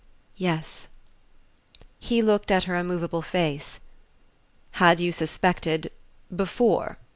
"Yes." He looked at her immovable face. "Had you suspected before?"